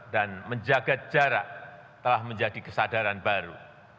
dan menjaga jarak telah menjadi kesadaran baru